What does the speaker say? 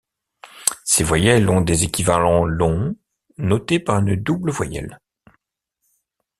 Ces voyelles ont des équivalents longs notés par une double voyelle.